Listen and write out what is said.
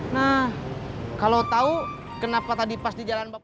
nah kalau tahu kenapa tadi pas di jalan bapak